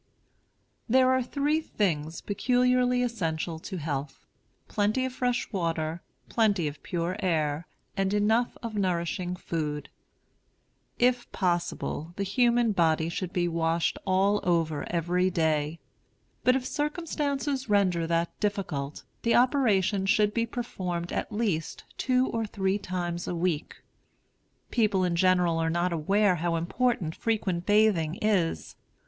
There are three things peculiarly essential to health, plenty of fresh water, plenty of pure air, and enough of nourishing food. If possible, the human body should be washed all over every day; but if circumstances render that difficult, the operation should be performed at least two or three times a week. People in general are not aware how important frequent bathing is.